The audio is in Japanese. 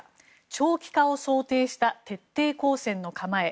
長期化を想定した徹底抗戦の構え。